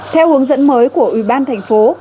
theo hướng dẫn mới của ủy ban thành phố